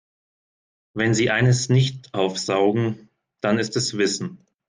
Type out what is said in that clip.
Wenn sie eines nicht aufsaugen, dann ist es Wissen.